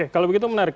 kalau begitu menarik